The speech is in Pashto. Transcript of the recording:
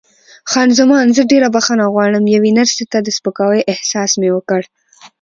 خان زمان: زه ډېره بښنه غواړم، یوې نرسې ته د سپکاوي احساس مې وکړ.